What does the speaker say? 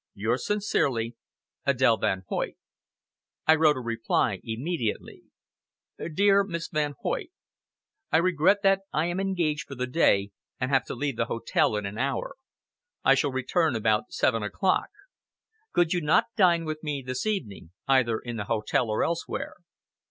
"Yours sincerely, "ADÈLE VAN HOYT." I wrote a reply immediately: "DEAR MISS VAN HOYT, "I regret that I am engaged for the day, and have to leave the hotel in an hour. I shall return about seven o'clock. Could you not dine with me this evening, either in the hotel or elsewhere?